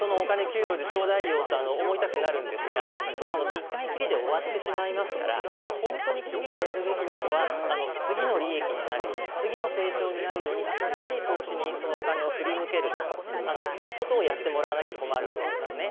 給料でちょうだいよって思いたくなるんですがそうすると、１回きりで終わってしまいますから本当に企業がやるべきなのは次の利益になるように次の成長になるように新しい投資に、そのお金を振り向けるということをやってもらわなきゃ困るわけですよね。